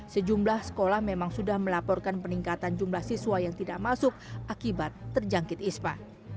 sejumlah sekolah memang sudah melaporkan peningkatan jumlah siswa yang tidak masuk akibat terjangkit ispa